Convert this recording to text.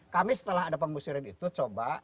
kami setelah ada pengusiran itu coba